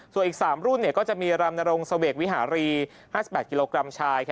ส่วนอีก๓รุ่นก็จะมีรำนรงเสวกวิหารี๕๘กิโลกรัมชาย